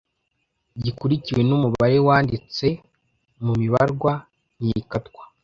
gikurikiwe n’umubare wanditse mu mibarwa ntikatwa